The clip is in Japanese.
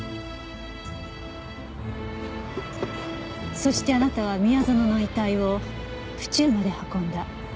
そしてあなたは宮園の遺体を府中まで運んだ。